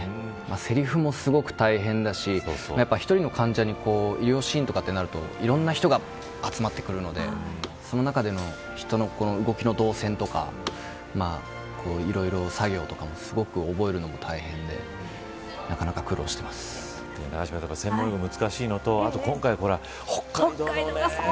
せりふもすごく大変だし１人の患者に医療シーンとかなるといろんな人が集まってくるのでその中の人の動きの動線とかいろいろ作業とかもすごく覚えるのも大変で永島さん専門用語が難しいのと今回、北海道